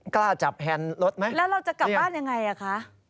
กล้าจับแฮนด์รถไหมแล้วเราจะกลับบ้านยังไงอ่ะคะ